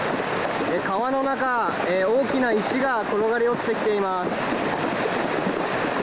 川の中、大きな石が転がり落ちてきています。